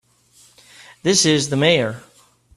This is the Mayor.